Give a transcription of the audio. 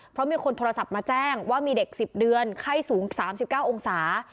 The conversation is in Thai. เพราะมีคนโทรศัพท์มาแจ้งว่ามีเด็ก๑๐เดือนไข้สูง๓๙องศา